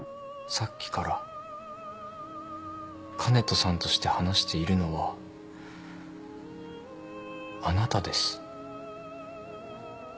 さっきから香音人さんとして話しているのはあなたです。